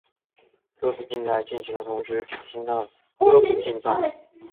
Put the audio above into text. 歌词竞赛进行的同时举行了歌谱竞赛。